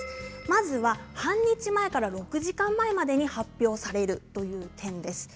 まずは半日前から６時間前までに発表されるという点です。